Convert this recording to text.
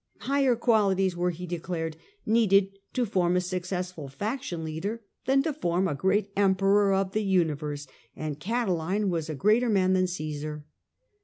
Higher qualities were, he declared, needed to form a successful faction leader than to form a great emperor of the universe, and Catiline was a greater man than Caesar.